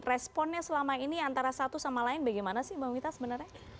responnya selama ini antara satu sama lain bagaimana sih bang wita sebenarnya